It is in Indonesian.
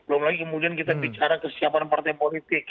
belum lagi kemudian kita bicara kesiapan partai politik